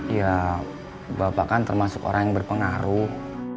ya bapak kan termasuk orang yang berpengaruh